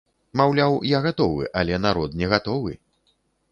Маўляў, я гатовы, але народ не гатовы.